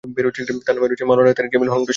তার নামে রয়েছে মাওলানা তারিক জামিল ফাউন্ডেশন।